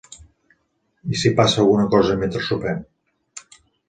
I si pasa alguna cosa mentre sopem?